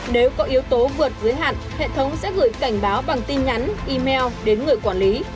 nếu có yếu tố vượt giới hạn hệ thống sẽ gửi cảnh báo bằng tin nhắn email đến người quản lý